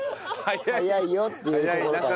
早いよっていうところからね。